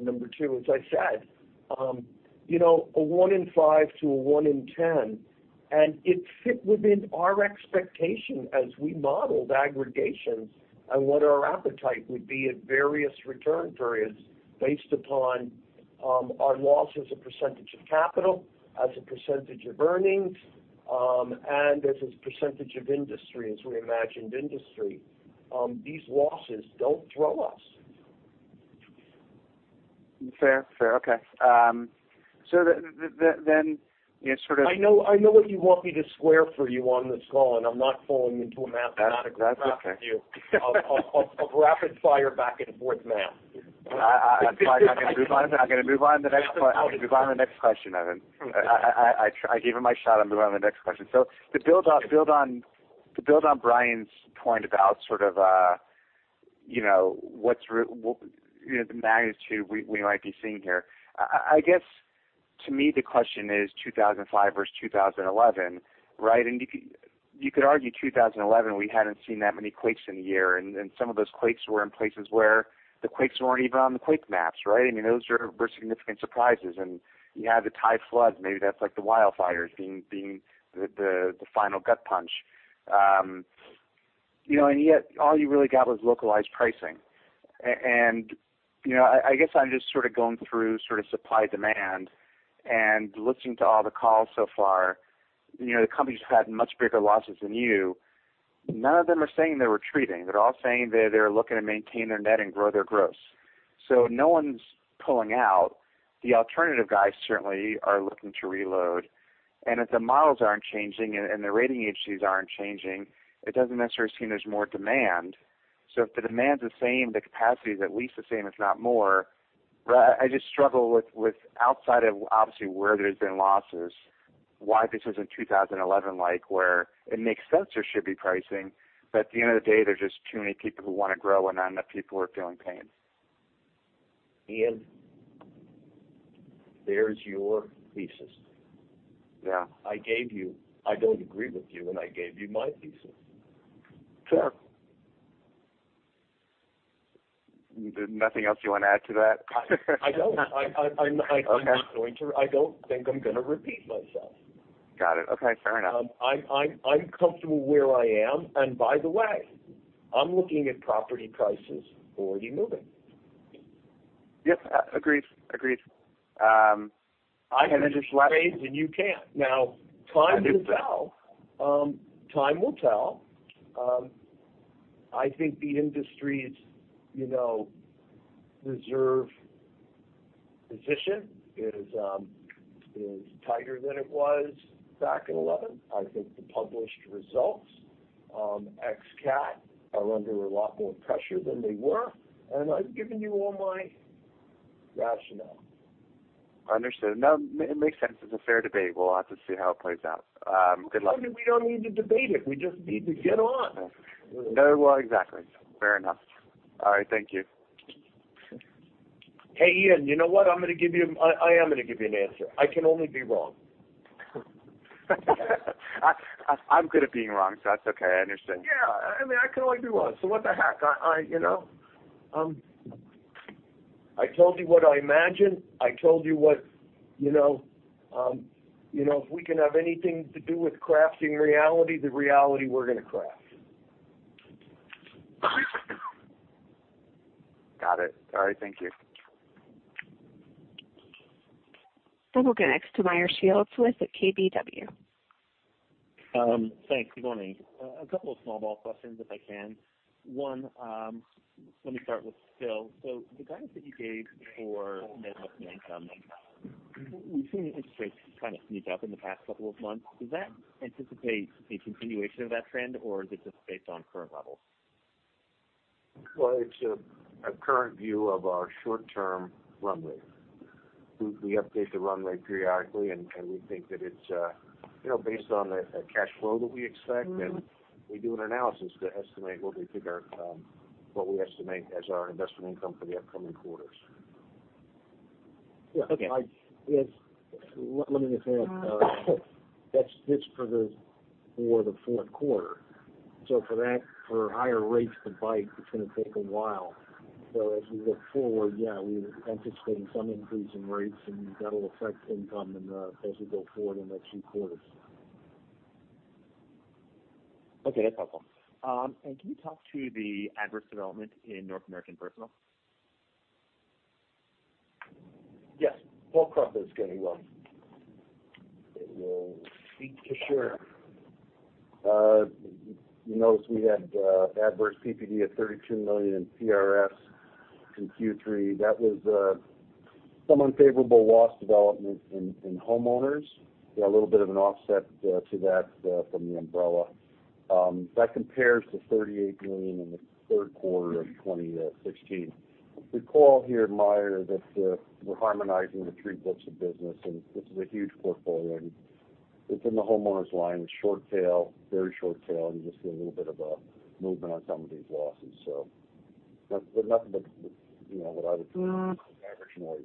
Number two, as I said, a one in five to a one in 10, and it fit within our expectation as we modeled aggregations on what our appetite would be at various return periods based upon our loss as a percentage of capital, as a percentage of earnings, and as a percentage of industry, as we imagined industry. These losses don't throw us. Fair. Okay. I know what you want me to square for you on this call, and I'm not falling into a mathematical trap. That's okay. with you of rapid fire back and forth now. I'm going to move on to the next question, Evan. I gave it my shot. I'll move on to the next question. To build on Brian's point about the magnitude we might be seeing here, I guess to me the question is 2005 versus 2011, right? You could argue 2011, we hadn't seen that many quakes in a year, and some of those quakes were in places where the quakes weren't even on the quake maps, right? Those were significant surprises. You had the Thai floods. Maybe that's like the wildfires being the final gut punch. Yet all you really got was localized pricing. I guess I'm just going through supply-demand and listening to all the calls so far. The companies have had much bigger losses than you. None of them are saying they're retreating. They're all saying they're looking to maintain their net and grow their gross. No one's pulling out. The alternative guys certainly are looking to reload. If the models aren't changing and the rating agencies aren't changing, it doesn't necessarily seem there's more demand. If the demand's the same, the capacity is at least the same, if not more. I just struggle with, outside of obviously where there's been losses, why this isn't 2011-like, where it makes sense there should be pricing. At the end of the day, there's just too many people who want to grow and not enough people who are feeling pain. Ian, there's your thesis. Yeah. I don't agree with you, and I gave you my thesis. Sure. There's nothing else you want to add to that? I don't. Okay. I don't think I'm going to repeat myself. Got it. Okay. Fair enough. I'm comfortable where I am. By the way, I'm looking at property prices already moving. Yes. Agreed. I can anticipate, and you can't. Now, time will tell. I think the industry's reserve position is tighter than it was back in 2011. I think the published results, ex cat, are under a lot more pressure than they were. I've given you all my rationale. Understood. It makes sense. It's a fair debate. We'll have to see how it plays out. Good luck. We don't need to debate it. We just need to get on. Exactly. Fair enough. All right. Thank you. Hey, Ian, you know what? I am going to give you an answer. I can only be wrong. I'm good at being wrong, that's okay. I understand. Yeah. I can only be wrong, what the heck? I told you what I imagined. If we can have anything to do with crafting reality, the reality we're going to craft. Got it. All right. Thank you. We'll go next to Meyer Shields with KBW. Thanks. Good morning. A couple of small ball questions, if I can. One, let me start with Phil. The guidance that you gave for net investment income, we've seen interest rates kind of sneak up in the past couple of months. Does that anticipate a continuation of that trend, or is it just based on current levels? It's a current view of our short-term runway. We update the runway periodically, and we think that it's based on the cash flow that we expect. We do an analysis to estimate what we estimate as our investment income for the upcoming quarters. Okay. Let me just add. That's for the fourth quarter. For higher rates to bite, it's going to take a while. As we look forward, yeah, we're anticipating some increase in rates, and that'll affect income as we go forward in the next few quarters. Okay. That's helpful. Can you talk to the adverse development in North American personal? Yes. Paul Krump is going to speak to that. Sure. You notice we had adverse PPD of $32 million in PRS in Q3. That was some unfavorable loss development in homeowners. We had a little bit of an offset to that from the umbrella. That compares to $38 million in the third quarter of 2016. The call here, Meyer, that we're harmonizing the three books of business, and this is a huge portfolio. It's in the homeowners line. It's short tail, very short tail. You just see a little bit of a movement on some of these losses. Nothing but what I would consider average noise.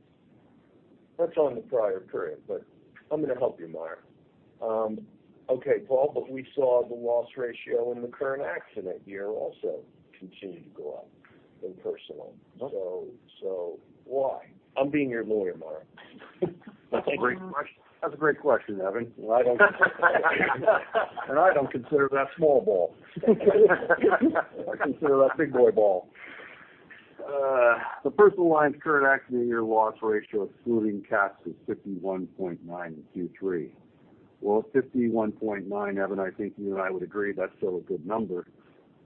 That's on the prior period, but I'm going to help you, Meyer. Okay, Paul. We saw the loss ratio in the current accident year also continue to go up in personal. Why? I'm being your lawyer, Meyer. That's a great question, Evan. I don't consider that small ball. I consider that big boy ball. The personal line's current accident year loss ratio, excluding cats, is 51.9 in Q3. Well, 51.9, Evan, I think you and I would agree that's still a good number.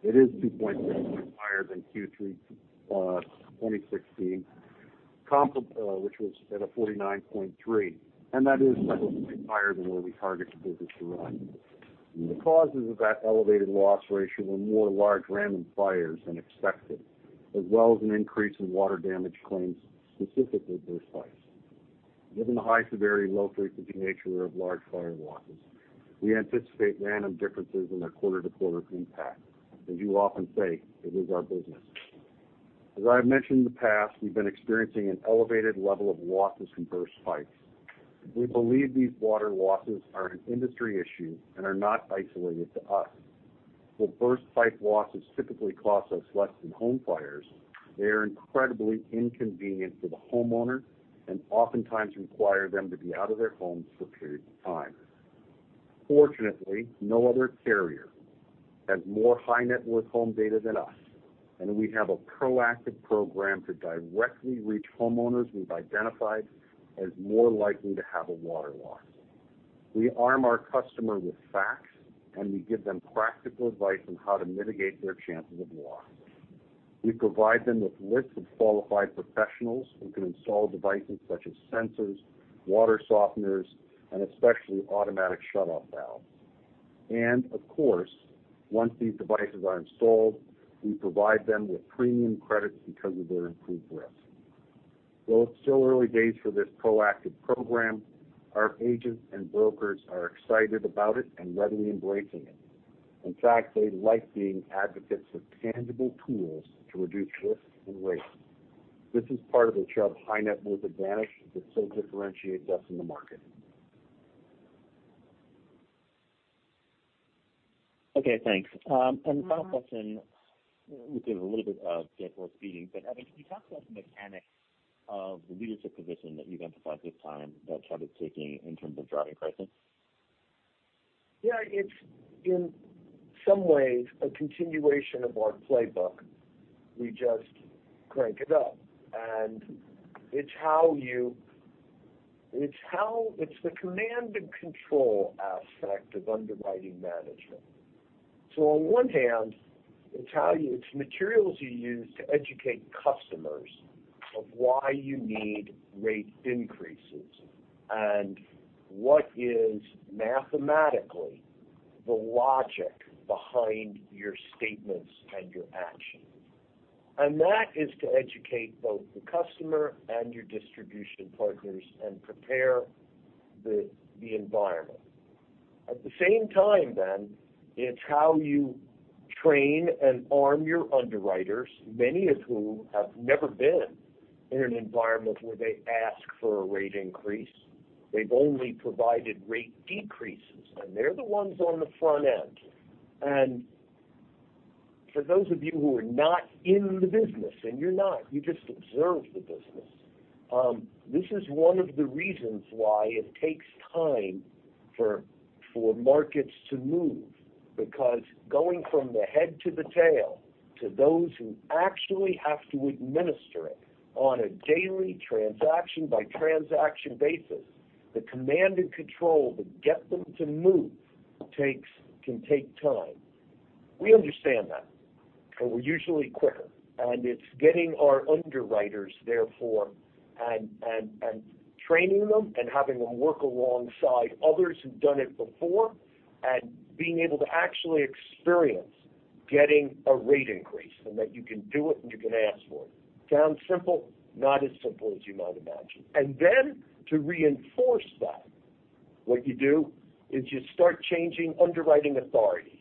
It is 2.6 points higher than Q3 2016, which was at a 49.3. That is typically higher than where we target the business to run. The causes of that elevated loss ratio were more large random fires than expected, as well as an increase in water damage claims, specifically burst pipes. Given the high severity, low frequency nature of large fire losses, we anticipate random differences in their quarter-to-quarter impact. As you often say, it is our business. As I have mentioned in the past, we've been experiencing an elevated level of losses from burst pipes. We believe these water losses are an industry issue and are not isolated to us. While burst pipe losses typically cost us less than home fires, they are incredibly inconvenient for the homeowner and oftentimes require them to be out of their homes for a period of time. Fortunately, no other carrier has more high net worth home data than us. We have a proactive program to directly reach homeowners we've identified as more likely to have a water loss. We arm our customer with facts, and we give them practical advice on how to mitigate their chances of loss. We provide them with lists of qualified professionals who can install devices such as sensors, water softeners, and especially automatic shutoff valves. Of course, once these devices are installed, we provide them with premium credits because of their improved risk. Though it's still early days for this proactive program, our agents and brokers are excited about it and readily embracing it. In fact, they like being advocates of tangible tools to reduce risk and waste. This is part of the Chubb high net worth advantage that so differentiates us in the market. Okay, thanks. The final question, which is a little bit of a dead horse beating, Evan, can you talk about the mechanics of the leadership position that you've emphasized this time that Chubb is taking in terms of driving pricing? Yeah, it's in some ways a continuation of our playbook. We just crank it up. It's the command and control aspect of underwriting management. On one hand, it's materials you use to educate customers of why you need rate increases and what is mathematically the logic behind your statements and your actions. That is to educate both the customer and your distribution partners and prepare the environment. At the same time, it's how you train and arm your underwriters, many of whom have never been in an environment where they ask for a rate increase. They've only provided rate decreases, and they're the ones on the front end. For those of you who are not in the business, and you're not, you just observe the business, this is one of the reasons why it takes time for markets to move, because going from the head to the tail to those who actually have to administer it on a daily transaction-by-transaction basis, the command and control to get them to move can take time. We understand that, and we're usually quicker, and it's getting our underwriters therefore and training them and having them work alongside others who've done it before and being able to actually experience getting a rate increase, and that you can do it and you can ask for it. Sounds simple, not as simple as you might imagine. To reinforce that, what you do is you start changing underwriting authority,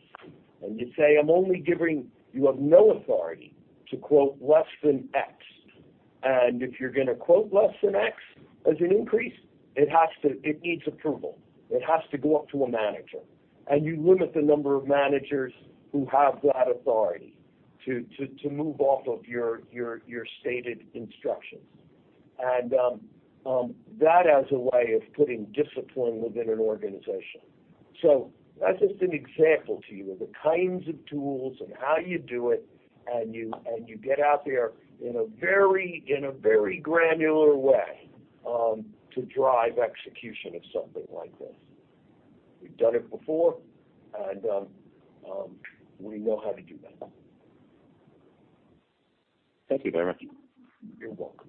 and you say, "You have no authority to quote less than X. If you're going to quote less than X as an increase, it needs approval. It has to go up to a manager." You limit the number of managers who have that authority to move off of your stated instructions. That as a way of putting discipline within an organization. That's just an example to you of the kinds of tools and how you do it, and you get out there in a very granular way to drive execution of something like this. We've done it before, and we know how to do that. Thank you very much. You're welcome.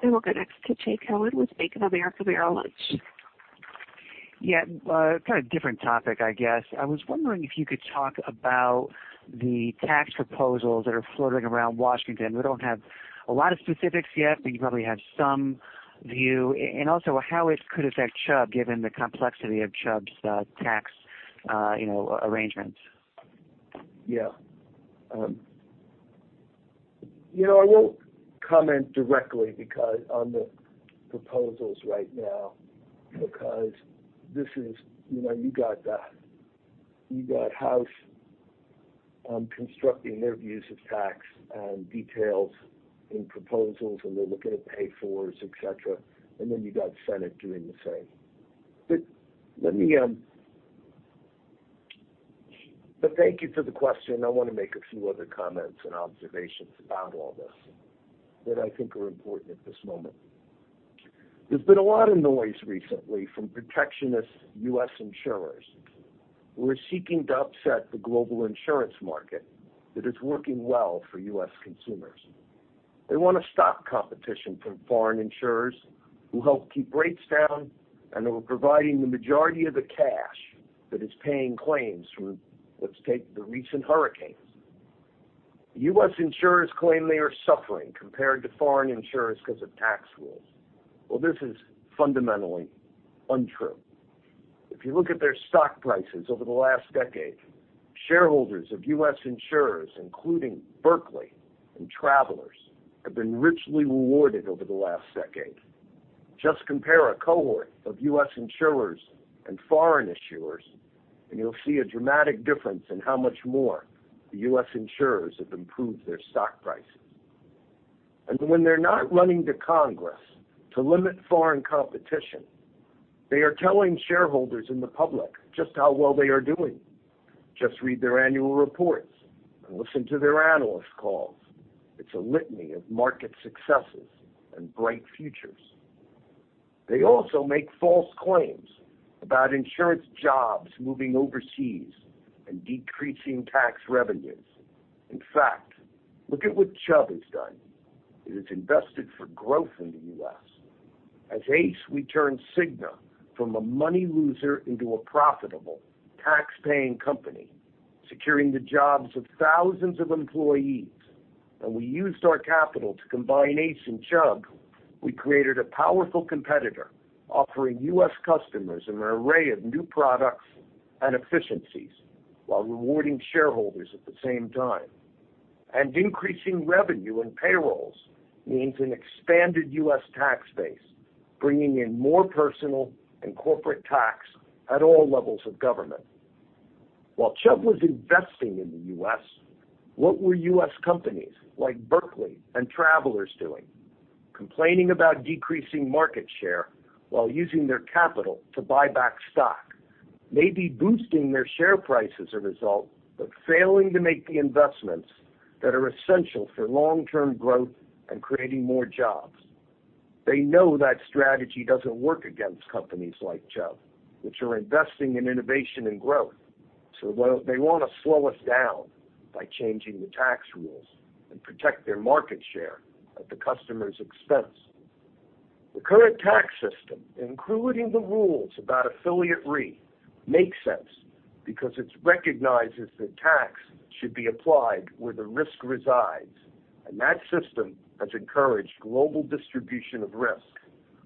We'll go next to Jay Cohen with Bank of America Merrill Lynch. Yeah. Kind of different topic, I guess. I was wondering if you could talk about the tax proposals that are floating around Washington. We don't have a lot of specifics yet, but you probably have some view. Also, how it could affect Chubb given the complexity of Chubb's tax arrangements. Yeah. I won't comment directly on the proposals right now because you got House constructing their views of tax and details in proposals, and they're looking at pay-fors, et cetera, and then you got Senate doing the same. Thank you for the question. I want to make a few other comments and observations about all this that I think are important at this moment. There's been a lot of noise recently from protectionist U.S. insurers who are seeking to upset the global insurance market that is working well for U.S. consumers. They want to stop competition from foreign insurers who help keep rates down and who are providing the majority of the cash that is paying claims from, let's take, the recent hurricanes. U.S. insurers claim they are suffering compared to foreign insurers because of tax rules. This is fundamentally untrue. If you look at their stock prices over the last decade, shareholders of U.S. insurers, including Berkley and Travelers, have been richly rewarded over the last decade. Just compare a cohort of U.S. insurers and foreign insurers, and you'll see a dramatic difference in how much more the U.S. insurers have improved their stock prices. When they're not running to Congress to limit foreign competition, they are telling shareholders and the public just how well they are doing. Just read their annual reports and listen to their analyst calls. It's a litany of market successes and bright futures. They also make false claims about insurance jobs moving overseas and decreasing tax revenues. In fact, look at what Chubb has done. It has invested for growth in the U.S. As ACE, we turned Cigna from a money loser into a profitable, tax-paying company, securing the jobs of thousands of employees. We used our capital to combine ACE and Chubb. We created a powerful competitor offering U.S. customers an array of new products and efficiencies while rewarding shareholders at the same time. Increasing revenue and payrolls means an expanded U.S. tax base, bringing in more personal and corporate tax at all levels of government. While Chubb was investing in the U.S., what were U.S. companies like Berkley and Travelers doing? Complaining about decreasing market share while using their capital to buy back stock. Maybe boosting their share price as a result, but failing to make the investments that are essential for long-term growth and creating more jobs. They know that strategy doesn't work against companies like Chubb, which are investing in innovation and growth. They want to slow us down by changing the tax rules and protect their market share at the customer's expense. The current tax system, including the rules about affiliate re, makes sense because it recognizes that tax should be applied where the risk resides. That system has encouraged global distribution of risk,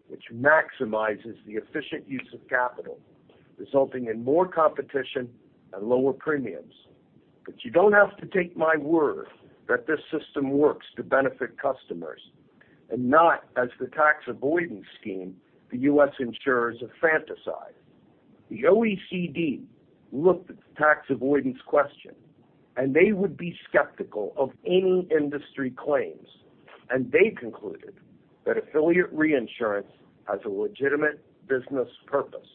which maximizes the efficient use of capital, resulting in more competition and lower premiums. You don't have to take my word that this system works to benefit customers and not as the tax avoidance scheme the U.S. insurers have fantasized. The OECD looked at the tax avoidance question, they would be skeptical of any industry claims, and they concluded that affiliate reinsurance has a legitimate business purpose.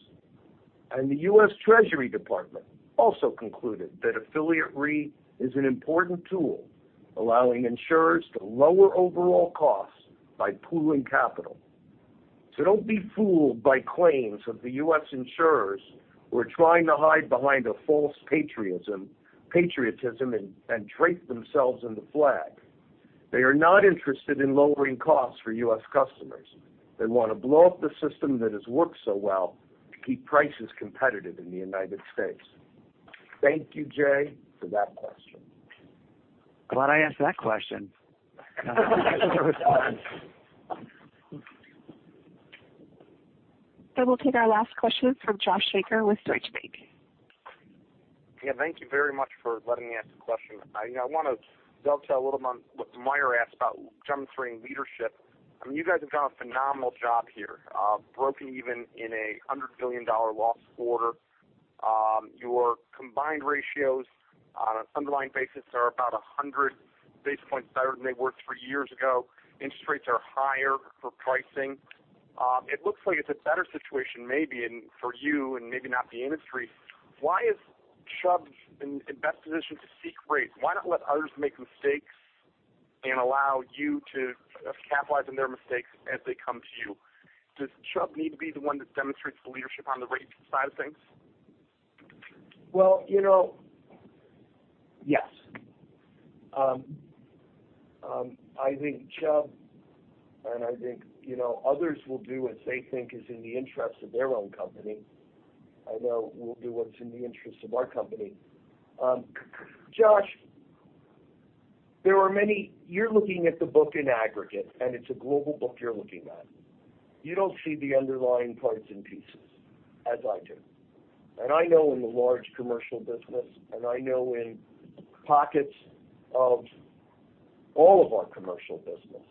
The U.S. Treasury Department also concluded that affiliate re is an important tool, allowing insurers to lower overall costs by pooling capital. Don't be fooled by claims of the U.S. insurers who are trying to hide behind a false patriotism and drape themselves in the flag. They are not interested in lowering costs for U.S. customers. They want to blow up the system that has worked so well to keep prices competitive in the United States. Thank you, Jay, for that question. Glad I asked that question. We'll take our last question from Josh Shanker with Deutsche Bank. Yeah, thank you very much for letting me ask a question. I want to dovetail a little on what Meyer asked about demonstrating leadership. You guys have done a phenomenal job here, broken even in a $100 billion loss quarter. Your combined ratios on an underlying basis are about 100 basis points better than they were three years ago. Interest rates are higher for pricing. It looks like it's a better situation maybe for you and maybe not the industry. Why is Chubb in the best position to seek rates? Why not let others make mistakes and allow you to capitalize on their mistakes as they come to you? Does Chubb need to be the one that demonstrates the leadership on the rate side of things? Well, yes. I think Chubb and I think others will do what they think is in the interest of their own company. I know we'll do what's in the interest of our company. Josh, you're looking at the book in aggregate, and it's a global book you're looking at. You don't see the underlying parts and pieces as I do. I know in the large commercial business, and I know in pockets of all of our commercial business,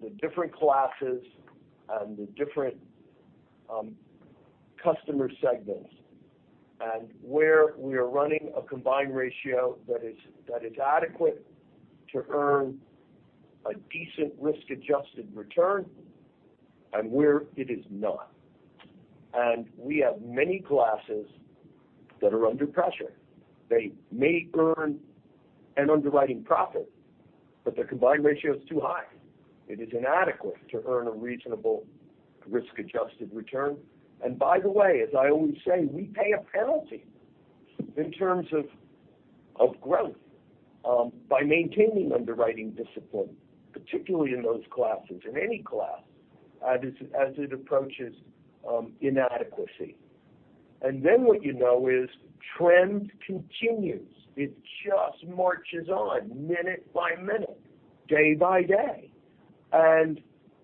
the different classes and the different customer segments and where we are running a combined ratio that is adequate to earn a decent risk-adjusted return and where it is not. We have many classes that are under pressure. They may earn an underwriting profit, but the combined ratio is too high. It is inadequate to earn a reasonable risk-adjusted return. By the way, as I always say, we pay a penalty in terms of growth by maintaining underwriting discipline, particularly in those classes, in any class as it approaches inadequacy. What you know is trend continues. It just marches on minute by minute, day by day.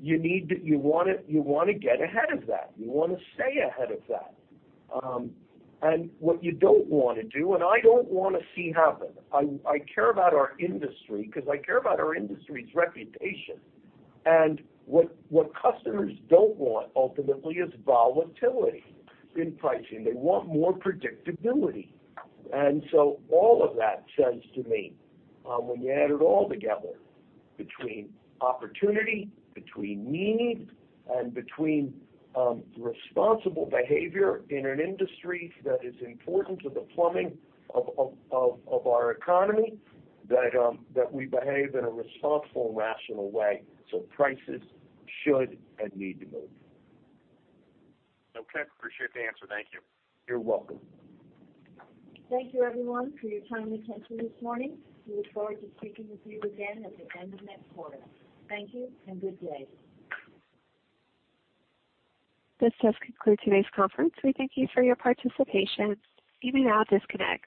You want to get ahead of that. You want to stay ahead of that. What you don't want to do, and I don't want to see happen, I care about our industry because I care about our industry's reputation. What customers don't want ultimately is volatility in pricing. They want more predictability. All of that says to me, when you add it all together, between opportunity, between need, and between responsible behavior in an industry that is important to the plumbing of our economy, that we behave in a responsible, rational way. Prices should and need to move. Appreciate the answer. Thank you. You're welcome. Thank you everyone for your time and attention this morning. We look forward to speaking with you again at the end of next quarter. Thank you and good day. This does conclude today's conference. We thank you for your participation. You may now disconnect.